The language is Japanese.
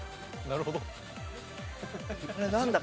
なるほど。